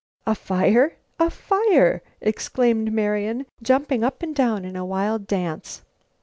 "A fire! A fire!" exclaimed Marian, jumping up and down in a wild dance.